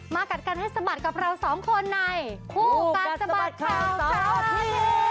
กัดกันให้สะบัดกับเราสองคนในคู่กัดสะบัดข่าวเสาร์อาทิตย์